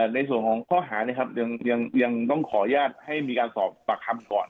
ในส่วนของข้อหายังต้องขออนุญาตให้มีการสอบปากคำก่อน